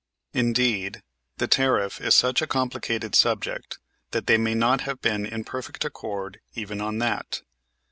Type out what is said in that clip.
Indeed, the tariff is such a complicated subject that they may not have been in perfect accord even on that.